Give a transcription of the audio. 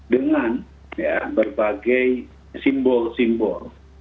dengan berbagai simbol simbol